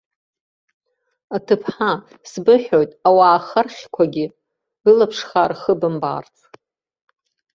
Аҭыԥҳа, сбыҳәоит, ауаа хархьқәагьы былаԥшхаа рхыбымбаарц!